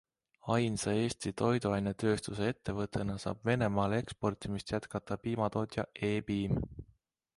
Ainsa Eesti toiduainetööstuse ettevõttena saab Venemaale eksportimist jätkata piimatootja E-piim.